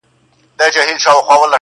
بيزو وان هم يو ځاى كښينستى حيران وو،